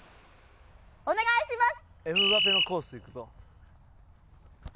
お願いします！